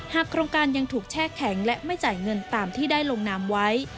โครงการยังถูกแช่แข็งและไม่จ่ายเงินตามที่ได้ลงนามไว้